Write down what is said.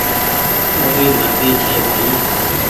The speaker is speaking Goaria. اوري مرزي ڇي ڀآئي۔